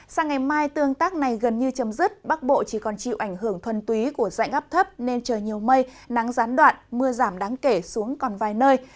sang ngày mai tương tác này gần như chấm dứt bắc bộ chỉ còn chịu ảnh hưởng thuần túy của dạnh áp thấp nên trời nhiều mây nắng gián đoạn mưa giảm đáng kể xuống còn vài nơi